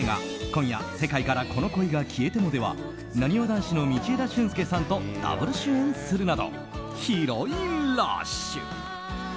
「今夜、世界からこの恋が消えても」ではなにわ男子の道枝駿佑さんとダブル主演するなどヒロインラッシュ。